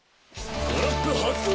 トラップ発動！